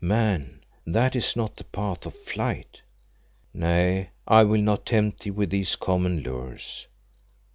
Man, that is not the path of flight. "Nay, I will not tempt thee with these common lures.